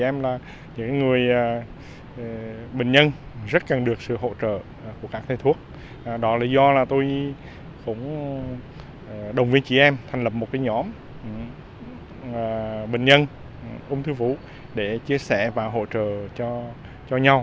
mình cũng đồng viên chị em thành lập một nhóm bệnh nhân ung thư vú để chia sẻ và hỗ trợ cho nhau